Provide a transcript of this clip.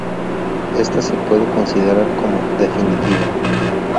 Esta se puede considerar como definitiva.